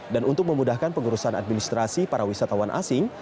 dan untuk memudahkan pengurusan administrasi para wisatawan asing